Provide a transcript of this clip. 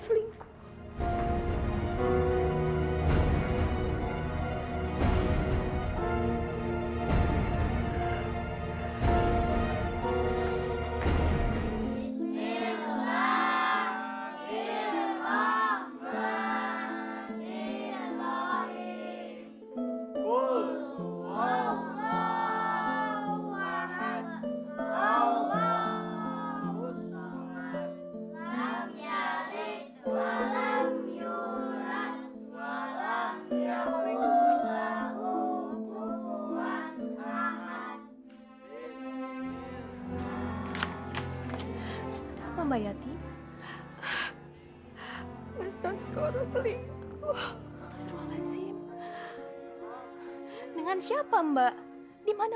sekarang kamu berani pinjam mobil